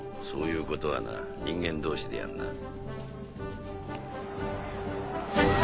そういうことはな人間同士でやんな。